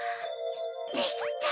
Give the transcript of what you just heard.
できた！